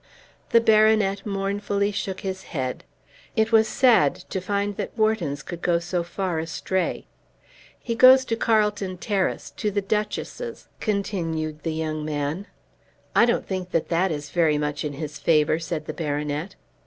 The baronet mournfully shook his head. It was sad to find that Whartons could go so far astray. "He goes to Carlton Terrace, to the Duchess's," continued the young man. "I don't think that that is very much in his favour," said the baronet.